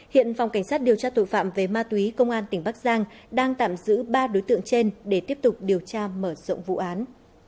hiện phòng cảnh sát điều tra tội phạm về ma túy công an tỉnh bắc giang đang tạm giữ ba đối tượng trên để tiếp tục điều tra mở rộng vụ án